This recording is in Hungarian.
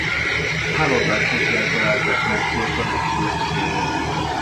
Hálaadás napján találták meg holtan egy folyó szélén.